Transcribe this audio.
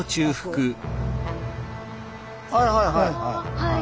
はいはいはいはい。